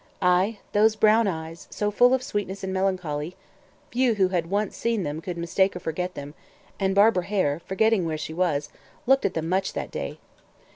Aye, those brown eyes, so full of sweetness and melancholy; few who had once seen could mistake or forget them; and Barbara Hare, forgetting where she was, looked at them much that day.